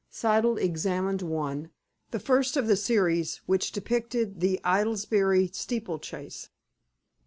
Siddle examined one, the first of the series, which depicted the Aylesbury Steeplechase.